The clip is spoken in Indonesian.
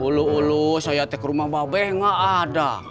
ulu ulu saya teh ke rumah babeh enggak ada